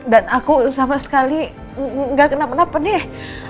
dan aku sama sekali gak kenapa napa nih